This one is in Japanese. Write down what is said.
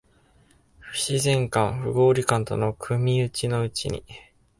不自然感、不合理感との組打ちのうちに、